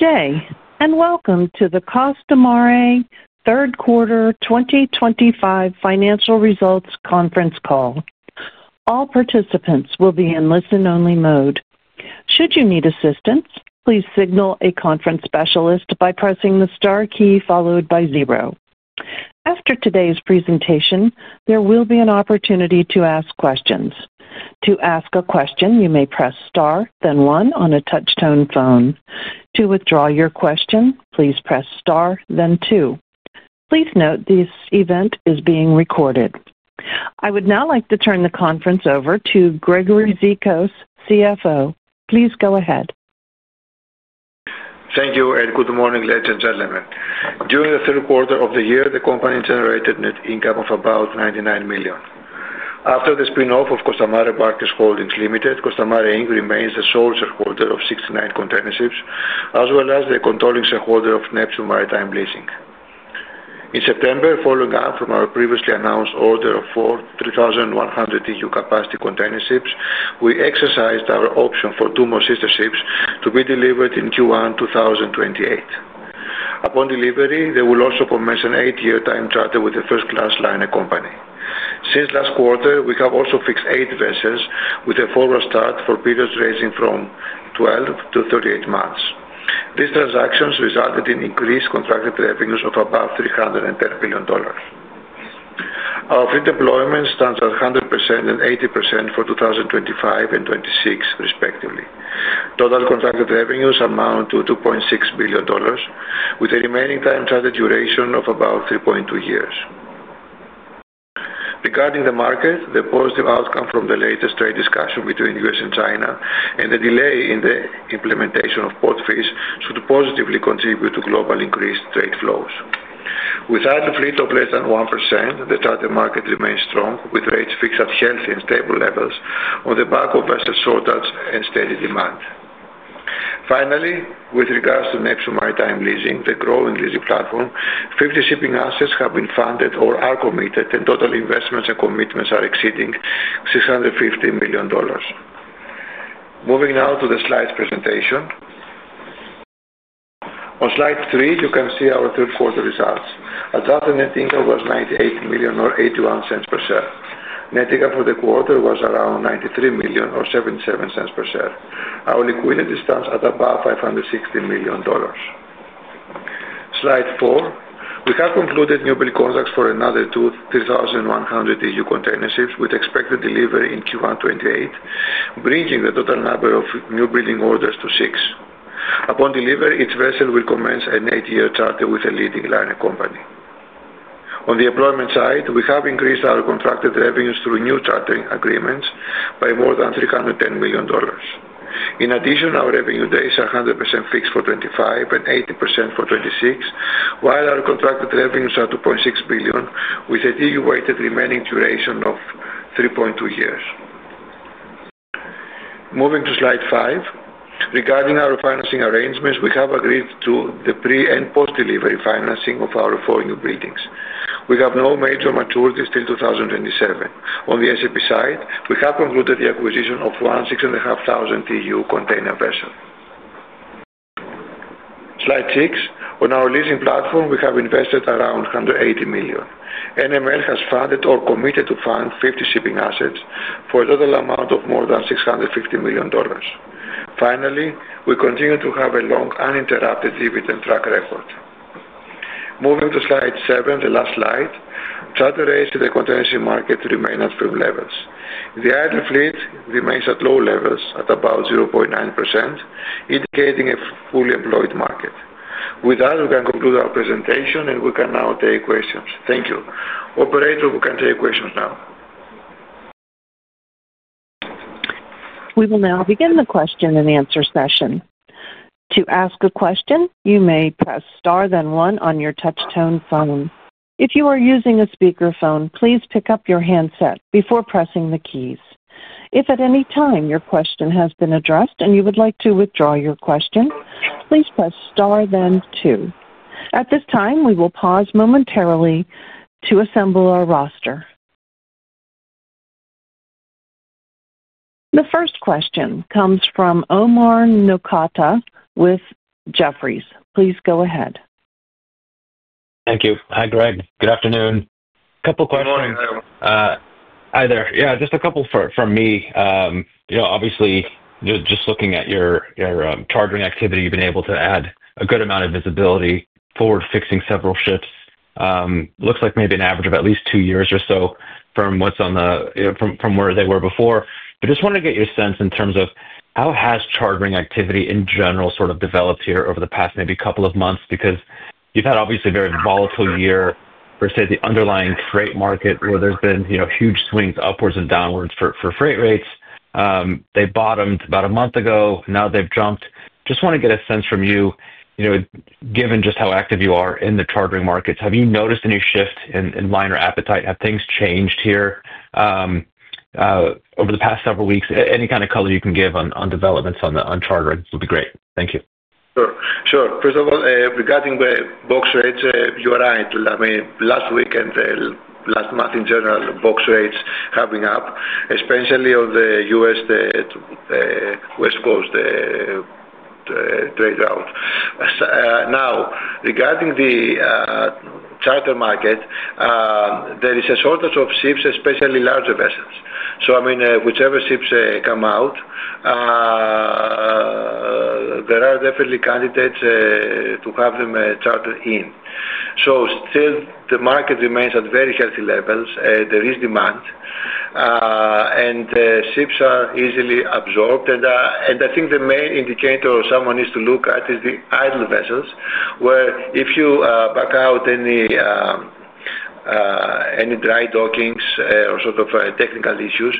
Good day and welcome to the Costamare Third Quarter 2025 Financial Results Conference Call. All participants will be in listen-only mode. Should you need assistance, please signal a conference specialist by pressing the star key followed by zero. After today's presentation, there will be an opportunity to ask questions. To ask a question, you may press star then one on a touch-tone phone. To withdraw your question, please press star then two. Please note this event is being recorded. I would now like to turn the conference over to Gregory Zikos, CFO. Please go ahead. Thank you and good morning, ladies and gentlemen. During the third quarter of the year, the company generated net income of about $99 million. After the spin-off of Costamare Bulkers Holdings Limited, Costamare remains the sole shareholder of 69 containerships, as well as the controlling shareholder of Neptune Maritime Leasing. In September, following up from our previously announced order of four 3,100 TEU capacity containerships, we exercised our option for two more sister ships to be delivered in Q1 2028. Upon delivery, they will also commemorate an eight-year time charter with a first-class liner company. Since last quarter, we have also fixed eight vessels with a forward start for periods ranging from 12-38 months. These transactions resulted in increased contracted revenues of about $310 million. Our fleet deployment stands at 100% and 80% for 2025 and 2026, respectively. Total contracted revenues amount to $2.6 billion, with the remaining time charter duration of about 3.2 years. Regarding the market, the positive outcome from the latest trade discussion between the U.S. and China and the delay in the implementation of port fees should positively contribute to globally increased trade flows. With an idle fleet of less than 1%, the charter market remains strong, with rates fixed at healthy and stable levels on the back of vessel shortage and steady demand. Finally, with regards to Neptune Maritime Leasing, the growing leasing platform, 50 shipping assets have been funded or are committed, and total investments and commitments are exceeding $650 million. Moving now to the slides presentation. On slide three, you can see our third-quarter results. Additional net income was $98 million or $0.81 per share. Net income for the quarter was around $93 million or $0.77 per share. Our liquidity stands at about $560 million. Slide four. We have concluded newbuild contracts for another two 3,100 TEU containerships, with expected delivery in Q1 2028, bringing the total number of newbuilding orders to six. Upon delivery, each vessel will commence an eight-year charter with a leading liner company. On the employment side, we have increased our contracted revenues through new chartering agreements by more than $310 million. In addition, our revenue days are 100% fixed for 2025 and 80% for 2026, while our contracted revenues are $2.6 billion, with a weighted remaining duration of 3.2 years. Moving to slide five. Regarding our financing arrangements, we have agreed to the pre- and post-delivery financing of our four newbuildings. We have no major maturities till 2027. On the sale-and-leaseback side, we have concluded the acquisition of one 6,500 TEU containership. Slide six. On our leasing platform, we have invested around $180 million. Neptune Maritime Leasing has funded or committed to fund 50 shipping assets for a total amount of more than $650 million. Finally, we continue to have a long uninterrupted dividend track record. Moving to slide seven, the last slide. Charter rates in the containership market remain at firm levels. The idle fleet remains at low levels, at about 0.9%, indicating a fully employed market. With that, we can conclude our presentation, and we can now take questions. Thank you. Operator, we can take questions now. We will now begin the question-and-answer session. To ask a question, you may press star then one on your touch-tone phone. If you are using a speakerphone, please pick up your handset before pressing the keys. If at any time your question has been addressed and you would like to withdraw your question, please press star then two. At this time, we will pause momentarily to assemble our roster. The first question comes from Omar Mostafa Nokta with Jefferies. Please go ahead. Thank you. Hi, Greg. Good afternoon. Couple of questions. Good morning. Hi there. Yeah, just a couple for me. You know, obviously, just looking at your chartering activity, you've been able to add a good amount of visibility forward-fixing several ships. Looks like maybe an average of at least two years or so from what's on the, you know, from where they were before. Just wanted to get your sense in terms of how has chartering activity in general sort of developed here over the past maybe couple of months because you've had obviously a very volatile year for, say, the underlying freight market where there's been, you know, huge swings upwards and downwards for freight rates. They bottomed about a month ago. Now they've jumped. Just want to get a sense from you, you know, given just how active you are in the chartering markets, have you noticed any shift in liner appetite? Have things changed here over the past several weeks? Any kind of color you can give on developments on the chartering would be great. Thank you. Sure. First of all, regarding box rates, you are right. I mean, last week and last month in general, box rates are going up, especially on the US West Coast trade route. Now, regarding the charter market, there is a shortage of ships, especially larger vessels. I mean, whichever ships come out, there are definitely candidates to have them chartered in. Still, the market remains at very healthy levels. There is demand, and ships are easily absorbed. I think the main indicator someone needs to look at is the idle vessels, where if you back out any dry dockings or sort of technical issues,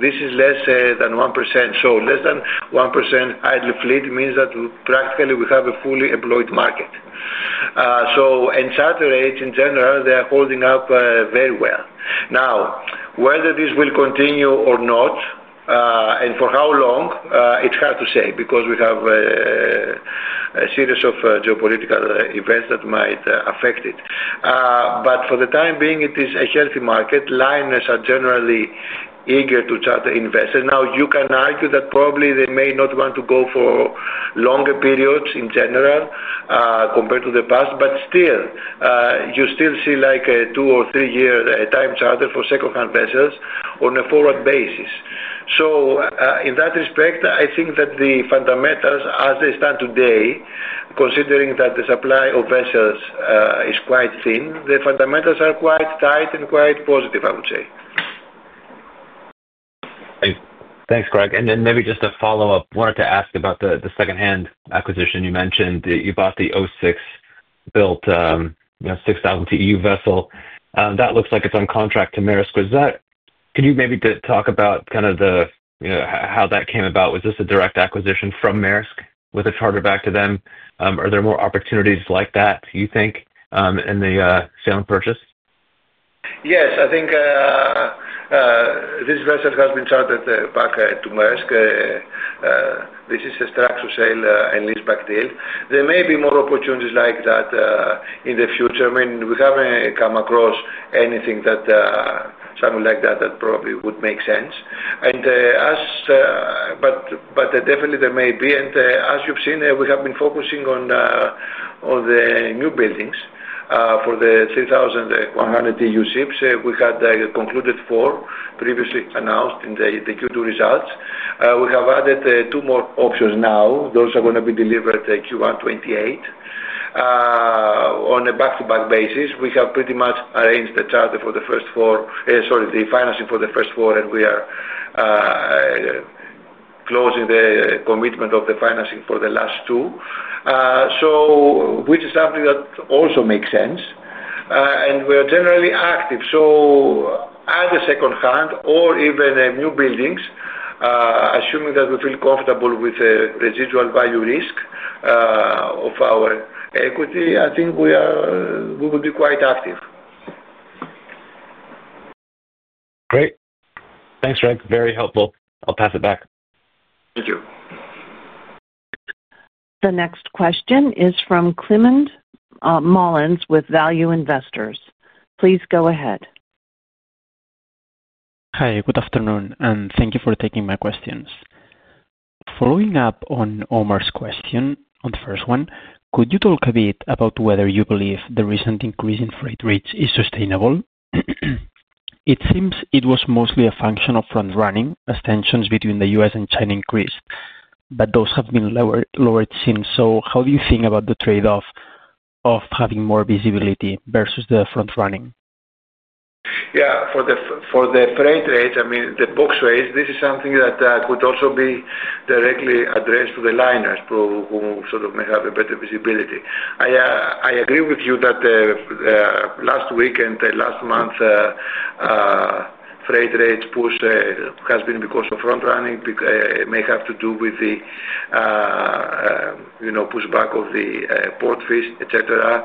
this is less than 1%. Less than 1% idle fleet means that practically we have a fully employed market. Charter rates in general are holding up very well. Now, whether this will continue or not, and for how long, it is hard to say because we have a series of geopolitical events that might affect it. For the time being, it is a healthy market. Liners are generally eager to charter investors. You can argue that probably they may not want to go for longer periods in general compared to the past. Still, you see like a two- or three-year time charter for second-hand vessels on a forward basis. In that respect, I think that the fundamentals, as they stand today, considering that the supply of vessels is quite thin, the fundamentals are quite tight and quite positive, I would say. Thanks, Greg. Maybe just a follow-up. Wanted to ask about the second-hand acquisition you mentioned. You bought the '06-built, you know, 6,500 TEU vessel. That looks like it's on contract to Maersk. Can you maybe talk about kind of how that came about? Was this a direct acquisition from Maersk with a charter back to them? Are there more opportunities like that, you think, in the sale and purchase? Yes. I think this vessel has been chartered back to Maersk. This is a structured sale-and-leaseback deal. There may be more opportunities like that in the future. I mean, we have not come across anything that, something like that that probably would make sense. I mean, definitely there may be. As you have seen, we have been focusing on the newbuildings for the 3,100 TEU ships. We had concluded four previously announced in the Q2 results. We have added two more options now. Those are going to be delivered Q1 2028. On a back-to-back basis, we have pretty much arranged the financing for the first four, and we are closing the commitment of the financing for the last two, which is something that also makes sense. We are generally active. Add a second-hand or even newbuildings, assuming that we feel comfortable with the residual value risk of our equity, I think we would be quite active. Great. Thanks, Greg. Very helpful. I'll pass it back. Thank you. The next question is from Climent Molins with Value Investor's Edge. Please go ahead. Hi. Good afternoon, and thank you for taking my questions. Following up on Omar's question, on the first one, could you talk a bit about whether you believe the recent increase in freight rates is sustainable? It seems it was mostly a function of front-running as tensions between the U.S. and China increased, but those have been lowered, lowered since. How do you think about the trade-off of having more visibility versus the front-running? Yeah. For the, for the freight rates, I mean, the box rates, this is something that could also be directly addressed to the liners who sort of may have a better visibility. I agree with you that last week and last month, freight rates push has been because of front-running, may have to do with the, you know, pushback of the port fees, etc.,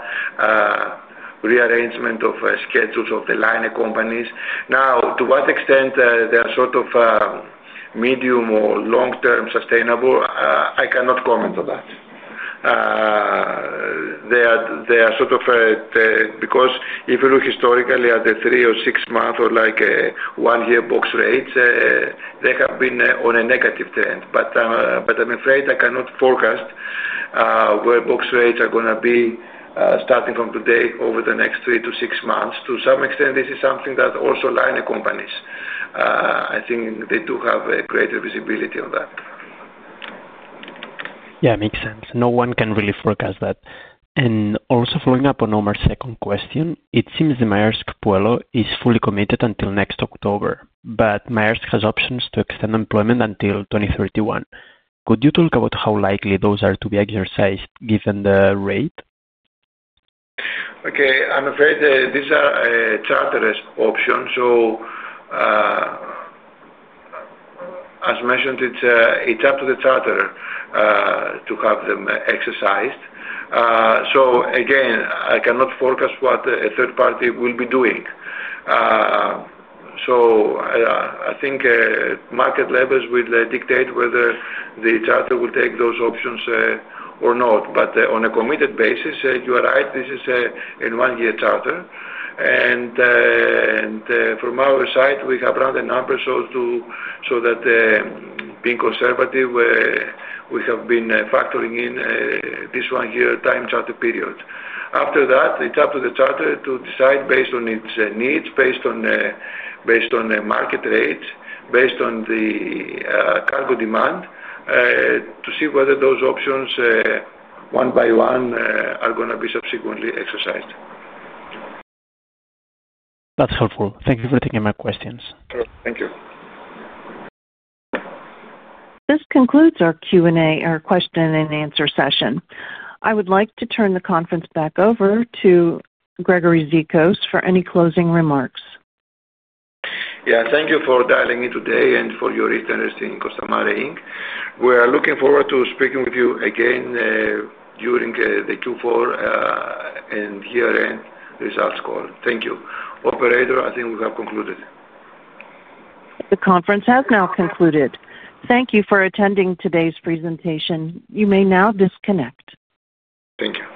rearrangement of schedules of the liner companies. Now, to what extent they are sort of medium or long-term sustainable, I cannot comment on that. They are, they are sort of, because if you look historically at the three or six-month or, like, one-year box rates, they have been on a negative trend. I'm afraid I cannot forecast where box rates are going to be, starting from today over the next three to six months. To some extent, this is something that also liner companies, I think they do have greater visibility on that. Yeah. Makes sense. No one can really forecast that. Also, following up on Omar's second question, it seems the Maersk Puello is fully committed until next October, but Maersk has options to extend employment until 2031. Could you talk about how likely those are to be exercised given the rate? Okay. I'm afraid these are chartered options. As mentioned, it's up to the charter to have them exercised. Again, I cannot forecast what a third party will be doing. I think market levels will dictate whether the charter will take those options or not. On a committed basis, you are right. This is a one-year charter. From our side, we have run the numbers so that, being conservative, we have been factoring in this one-year time charter period. After that, it's up to the charter to decide based on its needs, based on market rates, based on the cargo demand, to see whether those options, one by one, are going to be subsequently exercised. That's helpful. Thank you for taking my questions. Sure. Thank you. This concludes our Q&A, our question-and-answer session. I would like to turn the conference back over to Gregory Zikos for any closing remarks. Yeah. Thank you for dialing in today and for your interest in Costamare. We are looking forward to speaking with you again, during the Q4 and year-end results call. Thank you. Operator, I think we have concluded. The conference has now concluded. Thank you for attending today's presentation. You may now disconnect. Thank you.